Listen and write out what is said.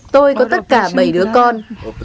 tôi có tất cả bảy đứa con